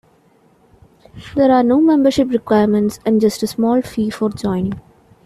There are no membership requirements and just a small fee for joining.